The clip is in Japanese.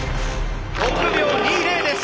６秒２０です。